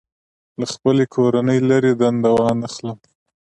له خپلې کورنۍ لرې دنده وانخلم.